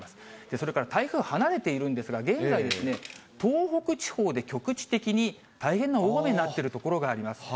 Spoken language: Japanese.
それから台風離れているんですが、現在ですね、東北地方で局地的に大変な大雨になっている所があります。